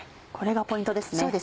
これがポイントですね。